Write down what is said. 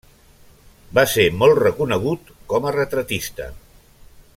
Va ser molt reconegut com a retratista.